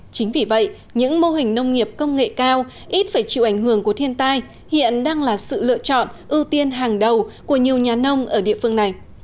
chính vì vậy những mô hình nông nghiệp công nghệ cao ít phải chịu ảnh hưởng của thiên tai hiện đang là sự lựa chọn ưu tiên hàng đầu của nhiều nhà nông ở địa phương này